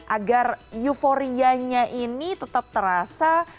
agar euforianya ini tetap terasa